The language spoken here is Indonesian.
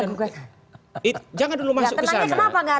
kita ini peserta pemilu besok jangan dulu masuk ke sana